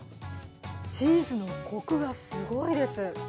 チーズのコクがすごいです。